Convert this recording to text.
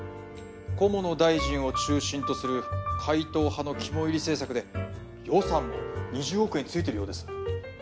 菰野大臣を中心とする海藤派の肝いり政策で予算も２０億円ついてるようです。